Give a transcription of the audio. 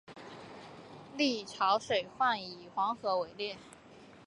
历朝水患尤以黄河为烈。